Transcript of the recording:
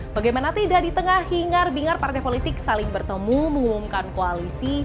bagaimana tidak di tengah hingar bingar partai politik saling bertemu mengumumkan koalisi